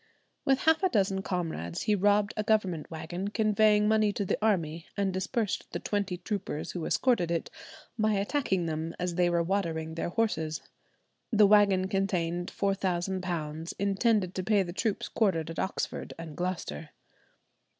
With half a dozen comrades he robbed a government wagon conveying money to the army, and dispersed the twenty troopers who escorted it, by attacking them as they were watering their horses. The wagon contained £4,000, intended to pay the troops quartered at Oxford and Gloucester.